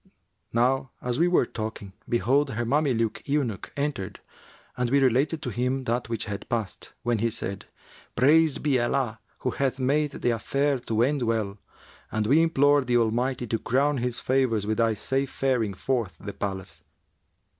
Now as we were talking, behold her Mameluke eunuch entered and we related to him that which had passed, when he said, 'Praised be Allah who hath made the affair to end well, and we implore the Almighty to crown His favours with thy safe faring forth the palace!'